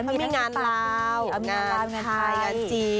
มีงานลาวมีงานไทยมีงานจีน